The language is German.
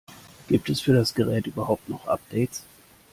Gibt es für das Gerät überhaupt noch Updates?